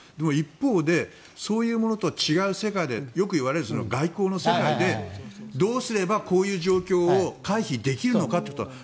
一方でそういうのと違う世界でよく言うのは外交の世界でどうすればこういう状況を回避できるのかってこと。